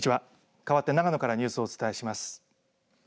かわって長野からニュースをお伝えします。